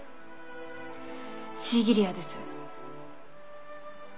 シーギリアです。